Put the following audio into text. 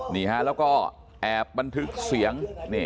นี่ฮะแล้วก็แอบบันทึกเสียง